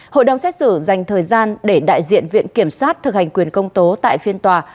hội đồng xét xử dành thời gian để đại diện viện kiểm sát thực hành quyền công tố tại phiên tòa